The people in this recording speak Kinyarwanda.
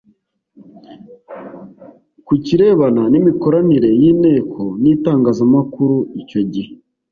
Ku kirebana n’imikoranire y’inteko n’itangazamakuru icyo gihe